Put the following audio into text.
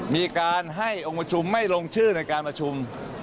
มีการให้องค์ประชุมไม่ลงชื่อในการประชุม